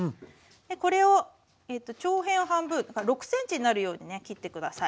これを長辺を半分６ｃｍになるようにね切って下さい。